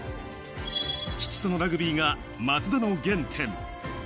父とのラグビーが松田の原点。